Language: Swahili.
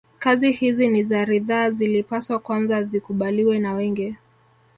Kazi hizi ni za ridhaa zilipaswa kwanza zikubaliwe na wengi